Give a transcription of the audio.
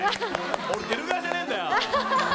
俺、出る側じゃねえんだよ。